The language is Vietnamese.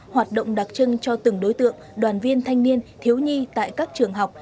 hoạt động đặc trưng cho từng đối tượng đoàn viên thanh niên thiếu nhi tại các trường học